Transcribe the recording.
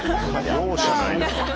容赦ないな。